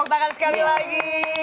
tekan sekali lagi